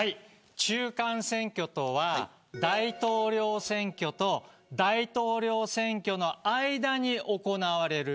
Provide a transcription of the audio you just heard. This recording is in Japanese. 中間選挙とは大統領選挙と大統領選挙の間に行われる。